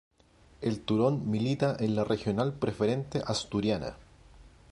El Turón milita en la Regional Preferente Asturiana.